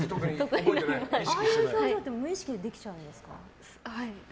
ああいう表情で無意識でできちゃうんですか？